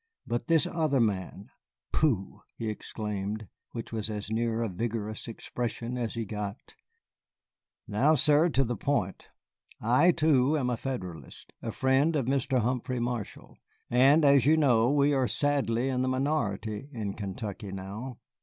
But this other man, pooh!" he exclaimed, which was as near a vigorous expression as he got. "Now, sir, to the point. I, too, am a Federalist, a friend of Mr. Humphrey Marshall, and, as you know, we are sadly in the minority in Kentucky now.